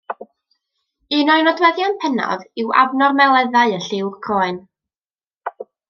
Un o'i nodweddion pennaf yw abnormaleddau yn lliw'r croen.